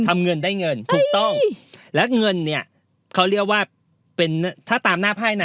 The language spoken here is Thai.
เงินได้เงินถูกต้องและเงินเนี่ยเขาเรียกว่าเป็นถ้าตามหน้าไพ่นะ